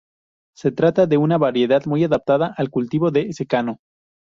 Se trata de una variedad muy adaptada al cultivo de secano.